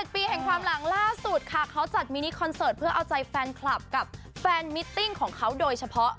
ปีแห่งความหลังล่าสุดค่ะเขาจัดมินิคอนเสิร์ตเพื่อเอาใจแฟนคลับกับแฟนมิตติ้งของเขาโดยเฉพาะ